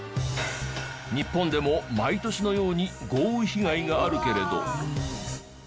日本でも毎年のように豪雨被害があるけれど。